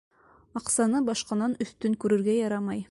Аҡсаны башҡанан өҫтөн күрергә ярамай.